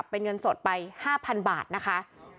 เป็นเงินสดไป๕๐๐๐บาทนะคะ